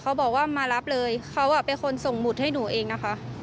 เขาบอกว่ามารับเลยเขาเป็นคนส่งหมุดให้หนูเองนะคะ